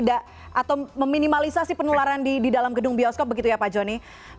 atau meminimalisasi penularan di dalam gedung bioskop begitu ya pak joni